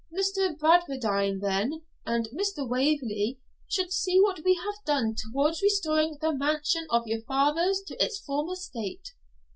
' Mr. Bradwardine, then, and Mr. Waverley should see what we have done towards restoring the mansion of your fathers to its former state.'